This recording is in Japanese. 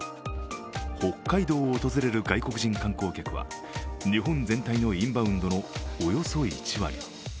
北海道を訪れる外国人観光客は日本全体のインバウンドのおよそ１割。